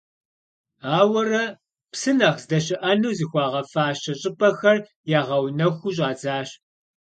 Ауэрэ, псы нэхъ здэщыӏэну зыхуагъэфащэ щӏыпӏэхэр ягъэунэхуу щӏадзащ.